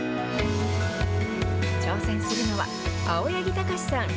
挑戦するのは青柳貴史さん。